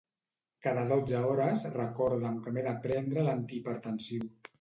Cada dotze hores recorda'm que m'he de prendre l'antihipertensiu.